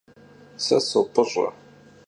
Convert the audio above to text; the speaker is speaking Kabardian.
Se sop'ış'e.